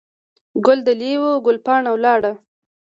ګل دلې وو، ګل پاڼه ولاړه.